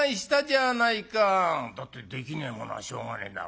「だってできねえものはしょうがねえだろ」。